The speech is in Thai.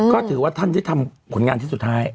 ก็ถือว่าท่านได้ทำผลงานชิ้นสุดท้าย